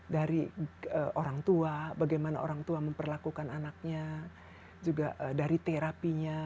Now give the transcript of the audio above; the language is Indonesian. dari orang tua bagaimana orang tua memperlakukan anaknya juga dari terapinya